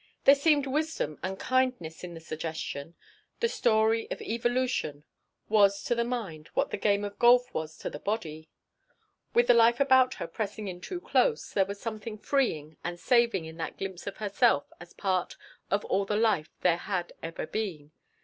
There seemed wisdom and kindness in the suggestion. The story of evolution was to the mind what the game of golf was to the body. With the life about her pressing in too close there was something freeing and saving in that glimpse of herself as part of all the life there had ever been.